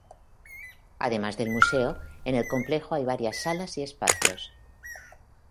Además del museo, en el complejo hay varias salas y espacios.